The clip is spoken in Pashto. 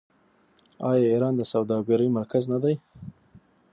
آیا ایران د سوداګرۍ مرکز نه دی؟